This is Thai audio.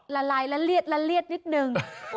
ละลายละเลียดนิดนึง